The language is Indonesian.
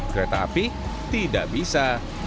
kereta api tidak bisa